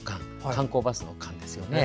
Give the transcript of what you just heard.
観光バスの観ですよね。